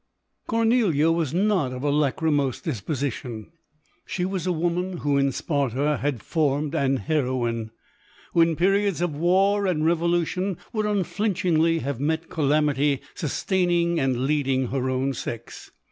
Cornelia was not of a lachrymose dispo sition ; she was a woman who in Sparta had formed an heroine ; who in periods of war and revolution, would unflinchingly have met cala mity, sustaining and leading her own sex.